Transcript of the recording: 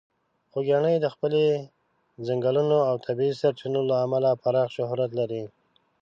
خوږیاڼي د خپلې ځنګلونو او د طبیعي سرچینو له امله پراخه شهرت لري.